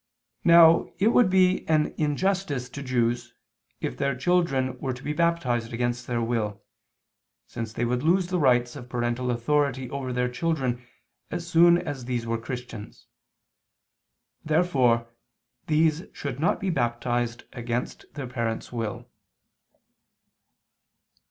Now it would be an injustice to Jews if their children were to be baptized against their will, since they would lose the rights of parental authority over their children as soon as these were Christians. Therefore these should not be baptized against their parents' will.